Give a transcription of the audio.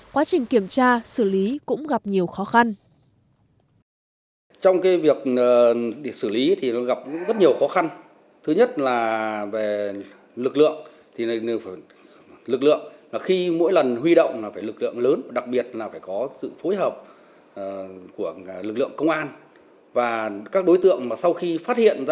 quá trình kiểm tra xử lý cũng gặp nhiều khó khăn